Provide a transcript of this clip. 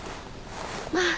まあ！